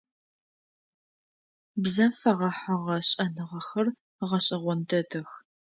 Бзэм фэгъэхьыгъэ шӏэныгъэхэр гъэшӏэгъон дэдэх.